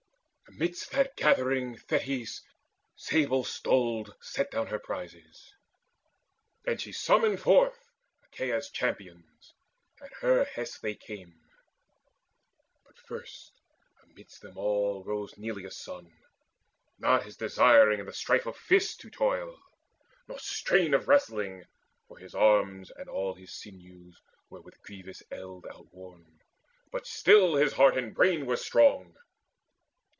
Amidst that gathering Thetis sable stoled Set down her prizes, and she summoned forth Achaea's champions: at her best they came. But first amidst them all rose Neleus' son, Not as desiring in the strife of fists To toil, nor strain of wrestling; for his arms And all his sinews were with grievous eld Outworn, but still his heart and brain were strong.